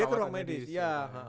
dia ke ruang medis iya